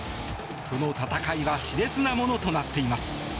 その戦いは熾烈なものとなっています。